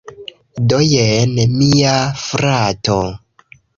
Do, jen mia frato